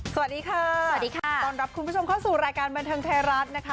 สวัสดีค่ะสวัสดีค่ะต้อนรับคุณผู้ชมเข้าสู่รายการบันเทิงไทยรัฐนะคะ